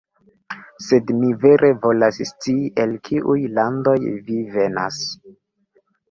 Sed, mi vere volas scii, el kiuj landoj vi venas.